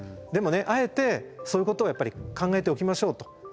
でもねあえてそういうことを考えておきましょうと。